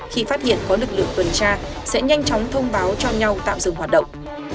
khi phát hiện có lực lượng tuần tra sẽ nhanh chóng thông báo cho nhau tạm dừng hoạt động